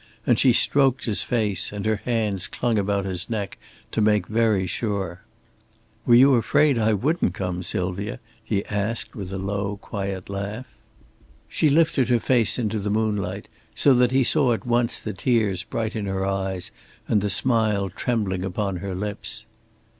and she stroked his face, and her hands clung about his neck to make very sure. "Were you afraid that I wouldn't come, Sylvia?" he asked, with a low, quiet laugh. She lifted her face into the moonlight, so that he saw at once the tears bright in her eyes and the smile trembling upon her lips.